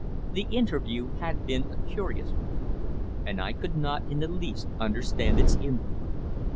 The interview had been a curious one, and I could not in the least understand its import.